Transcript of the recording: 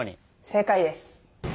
正解です。